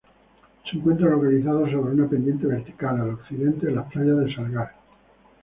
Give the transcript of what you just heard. Se encuentra localizado sobre una pendiente vertical, al occidente de las playas de Salgar.